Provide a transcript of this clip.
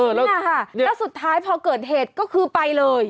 ใช่น่ะค่ะแล้วสุดท้ายพอเกิดเหตุขึ้นไปเลย